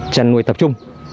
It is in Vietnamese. trăn nuôi tập trung